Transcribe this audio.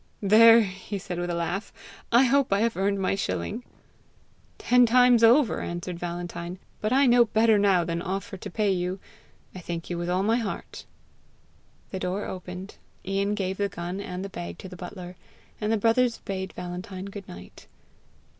"There!" he said with a laugh, "I hope I have earned my shilling!" "Ten times over," answered Valentine; "but I know better now than offer to pay you. I thank you with all my heart." The door opened, Ian gave the gun and the bag to the butler, and the brothers bade Valentine good night.